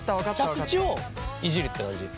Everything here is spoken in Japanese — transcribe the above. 着地をいじるって感じ。